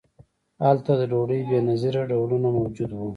هلته د ډوډۍ بې نظیره ډولونه موجود وو.